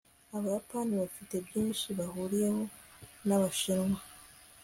abayapani bafite byinshi bahuriyeho nabashinwa